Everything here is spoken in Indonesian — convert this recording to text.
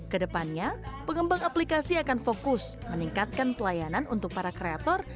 kedepannya pengembang aplikasi akan fokus meningkatkan pelayanan untuk para kreator